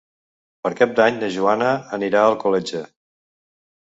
Per Cap d'Any na Joana anirà a Alcoletge.